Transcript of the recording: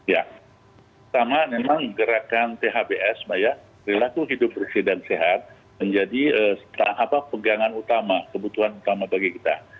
ya pertama memang gerakan thbs mbak ya perilaku hidup bersih dan sehat menjadi pegangan utama kebutuhan utama bagi kita